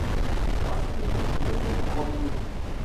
Ɣas fiḥel, ulac ineḥwan yid-i!